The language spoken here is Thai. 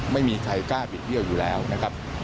ไม่มีใครกล้าบิดเบี้ยวอยู่แล้วนะครับ